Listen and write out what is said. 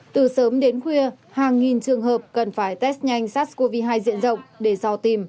từ sớm đến khuya hàng nghìn trường hợp cần phải test nhanh sars cov hai diện rộng để dò tìm